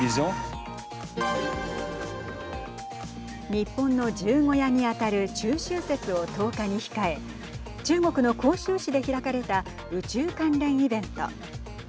日本の十五夜に当たる中秋節を１０日に控え中国の広州市で開かれた宇宙関連イベント。